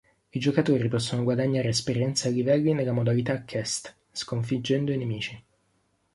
I giocatori possono guadagnare esperienza e livelli nella modalità quest, sconfiggendo i nemici.